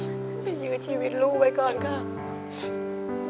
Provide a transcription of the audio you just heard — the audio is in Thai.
ไปยืนชีวิตลูกไว้ก่อนครับ